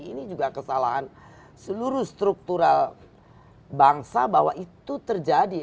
ini juga kesalahan seluruh struktural bangsa bahwa itu terjadi